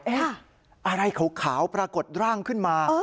อะไรขาวปรากฏร่างขึ้นมา